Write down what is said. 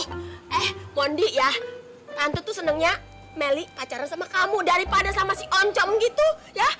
eh ondi ya tante tuh senangnya melly pacar sama kamu daripada sama si oncom gitu ya